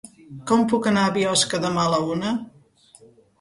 Com puc anar a Biosca demà a la una?